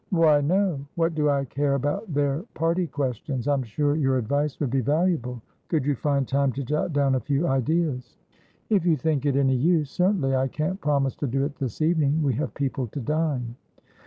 "Why, no. What do I care about their party questions? I'm sure your advice would be valuable. Could you find time to jot down a few ideas?" "If you think it any use, certainly. I can't promise to do it this evening; we have people to dine."